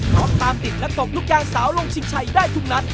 รอบตามติดและตกทุกอย่างสาวลงชิคชัยได้ทุกนัด